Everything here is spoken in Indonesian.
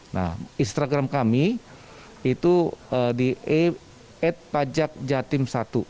nah instagram kami itu di e pajakjatim satu